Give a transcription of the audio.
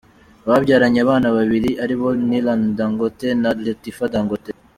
Babyaranye abana babiri aribo Nillan Dangote na Latifa Dangote.